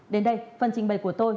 đến đây phần trình bày của tôi